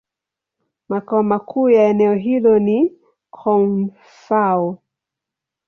Makao makuu ya eneo hilo ni Koun-Fao.